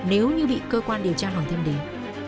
nếu như bị cơ quan điều tra hỏi thêm đến